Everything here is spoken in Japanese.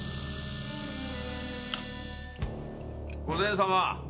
・御前様。